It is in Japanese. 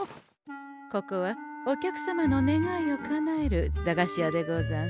ここはお客様の願いをかなえる駄菓子屋でござんす。